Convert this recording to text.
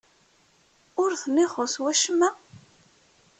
Ur ten-ixuṣṣ wacemma?